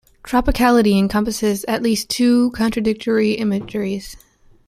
Tropicality encompasses at least two contradictory imageries.